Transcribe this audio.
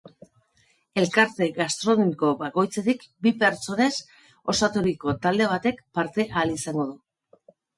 Elkarte gastronomiko bakoitzetik bi pertsonez osaturiko talde batek parte hartu ahal izango du.